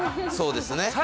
そうですね。